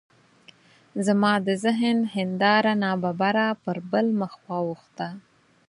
زما د ذهن هنداره ناببره پر بل مخ واوښته.